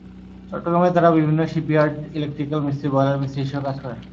চট্টগ্রামে তাঁরা বিভিন্ন শিপইয়ার্ড, ইলেকট্রিক্যাল মিস্ত্রি, বয়লার মিস্ত্রি হিসেবে কাজ করেন।